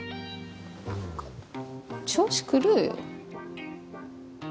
何か調子狂うよ。